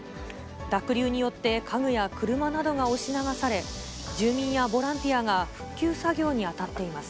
濁流によって、家具や車などが押し流され、住民やボランティアが復旧作業に当たっています。